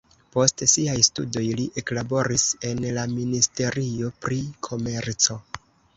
Post siaj studoj li eklaboris en la ministerio pri komerco.